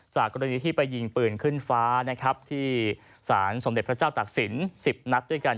กรณีที่ไปยิงปืนขึ้นฟ้านะครับที่สารสมเด็จพระเจ้าตักศิลป๑๐นัดด้วยกัน